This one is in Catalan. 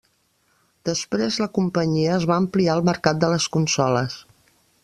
Després la companyia es va ampliar al mercat de les consoles.